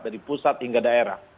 dari pusat hingga daerah